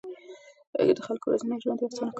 د خلکو ورځنی ژوند يې اسانه کاوه.